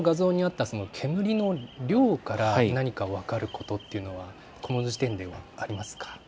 先ほどの画像にあった煙の量から何か分かることというのはこの時点ではありますか。